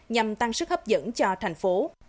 nhằm tăng sức hấp dẫn cho thành phố